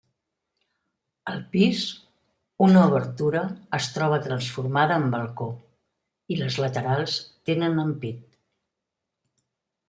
Al pis una obertura es troba transformada en balcó i les laterals tenen ampit.